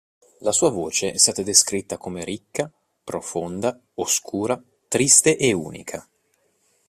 La sua voce è stata descritta come ricca, profonda, oscura, triste e unica.